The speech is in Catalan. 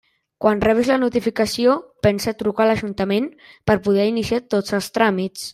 Quan rebis la notificació, pensa a trucar a l'ajuntament per poder iniciar tots els tràmits.